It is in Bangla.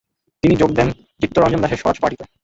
তিনি যোগ দেন চিত্তরঞ্জন দাসের স্বরাজ পার্টিতে।